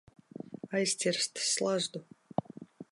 Aizcirst slazdu.